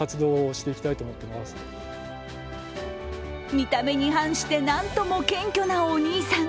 見た目に反して、なんとも謙虚なお兄さん。